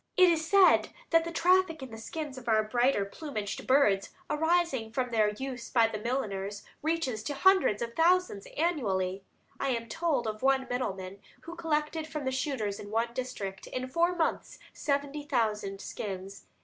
It is said that the traffic in the skins of our brighter plumaged birds, arising from their use by the milliners, reaches to hundreds of thousands annually. I am told of one middleman who collected from the shooters in one district, in four months, seventy thousand skins.